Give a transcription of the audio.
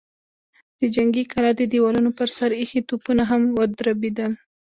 د جنګي کلا د دېوالونو پر سر ايښي توپونه هم ودربېدل.